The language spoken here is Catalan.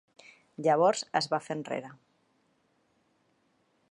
Llavors es va fer enrere.